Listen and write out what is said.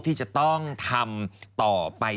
ที่จะต้องทำต่อไป